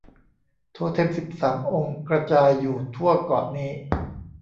โทเท็มสิบสามองค์กระจายอยู่ทั่วเกาะนี้